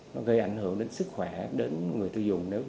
nó gây ra một số nguyên liệu